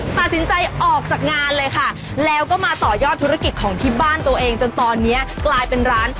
ตัดสินใจออกจากงานเลยค่ะแล้วก็มาต่อยอดธุรกิจของที่บ้านตัวเองจนตอนนี้กลายเป็นร้าน